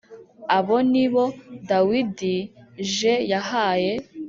Aba ni bo Dawidij yahaye